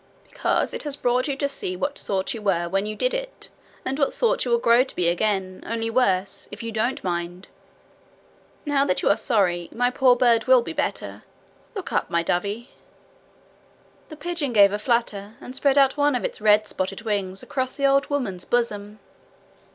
'Because it has brought you to see what sort you were when you did it, and what sort you will grow to be again, only worse, if you don't mind. Now that you are sorry, my poor bird will be better. Look up, my dovey.' The pigeon gave a flutter, and spread out one of its red spotted wings across the old woman's bosom.